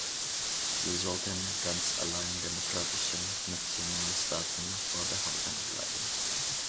Sie sollten ganz allein demokratischen Nationalstaaten vorbehalten bleiben.